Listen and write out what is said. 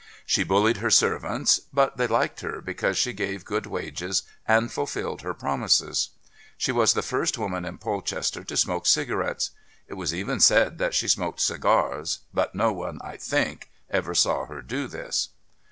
She bullied her servants, but they liked her because she gave good wages and fulfilled her promises. She was the first woman in Polchester to smoke cigarettes. It was even said that she smoked cigars, but no one, I think, ever saw her do this.